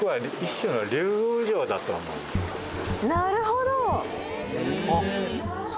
なるほど！